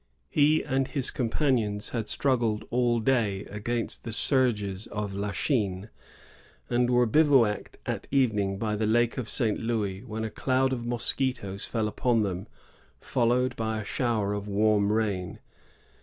He and his companions had struggled all 1664.] FATHER LE MOYKE. 66 day against the surges of La Chine, and were biy* ouacked at evening by the Lake of St. Louis, when a cloud of mosquitoes fell upon them, followed by a shower of warm rain.